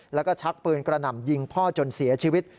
แล้วก็ชักปืนกระหน่ำยิงพ่อจนเสียชีวิต